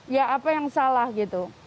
ya apa yang salah gitu